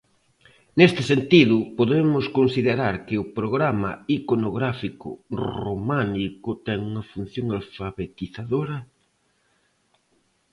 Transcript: Neste sentido, podemos considerar que o programa iconográfico románico ten unha función alfabetizadora?